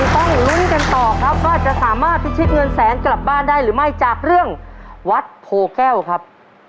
ต้องลุ้นกันต่อครับว่าจะสามารถพิชิตเงินแสนกลับบ้านได้หรือไม่จากเรื่องวัดโพแก้วครับ